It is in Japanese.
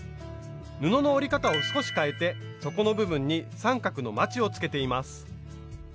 布の折り方を少しかえて底の部分に三角のまちをつけています。